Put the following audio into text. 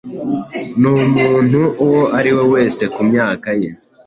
numuntu uwo ari we wese Kumyakaye